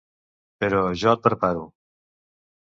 Però jo et preparo.